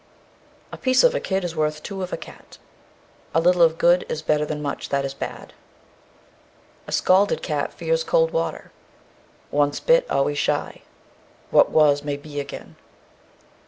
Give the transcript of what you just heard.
A piece of a kid is worth two of a cat. A little of good is better than much that is bad. A scalded cat fears cold water. Once bit always shy. What was may be again.